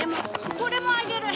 これもあげる。